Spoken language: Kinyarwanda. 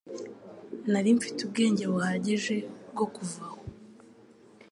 Nari mfite ubwenge buhagije bwo kuva aho